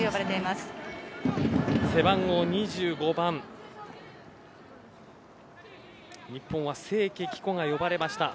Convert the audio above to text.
背番号２５番日本は清家貴子が呼ばれました。